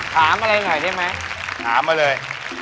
ถามอะไรหน่อยได้ไหมถามมาเลย